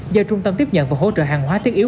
do trung tâm tiếp nhận và hỗ trợ hàng hóa thiết yếu